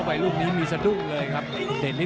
โอ้โหโอ้โห